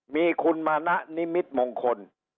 มีคุณมณะนิมิตมงคล